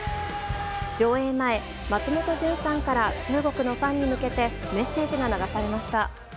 上映前、松本潤さんから中国のファンに向けて、メッセージが流さ